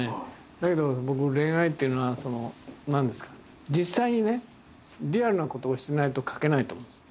だけど僕恋愛っていうのは実際にねリアルなことをしてないと描けないと思うんですよ。